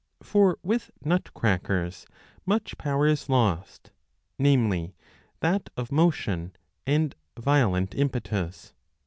For with nut crackers much power is lost, namely, that of motion and violent impetus.